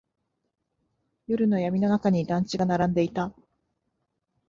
夜の闇の中に団地が並んでいた。